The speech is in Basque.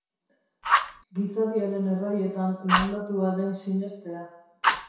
Gizadiaren erraietan landatua den sinestea.